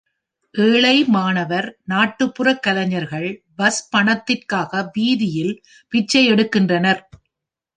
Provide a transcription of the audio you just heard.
ஏழை மாணவர் நாட்டுப்புற கலைஞர்கள் பஸ் பணத்திற்காக வீதியில் பிச்சை எடுக்கின்றனர்.